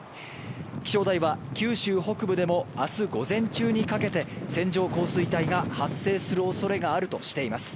気象台は九州北部でも明日午前中にかけて線状降水帯が発生する恐れがあるとしています。